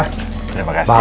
terima kasih ya